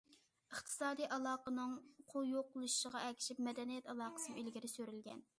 ئىقتىسادىي ئالاقىنىڭ قويۇقلىشىشىغا ئەگىشىپ مەدەنىيەت ئالاقىسىمۇ ئىلگىرى سۈرۈلگەن.